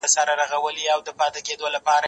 زه بايد زدکړه وکړم!؟